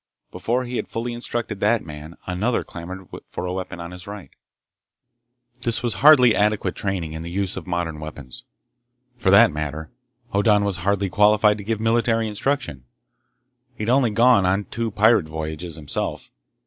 Before he had fully instructed that man, another clamored for a weapon on his right. This was hardly adequate training in the use of modern weapons. For that matter, Hoddan was hardly qualified to give military instruction. He'd only gone on two pirate voyages himself.